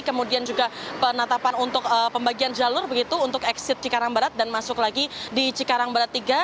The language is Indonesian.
kemudian juga penetapan untuk pembagian jalur begitu untuk exit cikarang barat dan masuk lagi di cikarang barat tiga